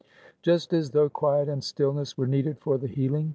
Just as though quiet and stillness were needed for the healing.